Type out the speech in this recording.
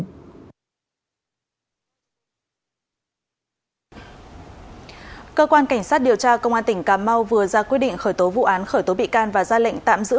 cơ quan cảnh sát điều tra công an tỉnh cà mau vừa ra quyết định khởi tố vụ án khởi tố bị can và ra lệnh tạm giữ